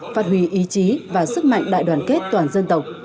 phát huy ý chí và sức mạnh đại đoàn kết toàn dân tộc